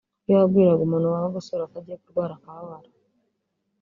iyo wagwiraga umuntu wabaga usura ko agiye kurwara akababara